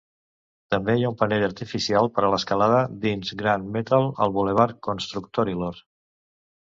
També hi ha un panell artificial per a l'escalada dins Grant Metal al bulevard Constructorilor.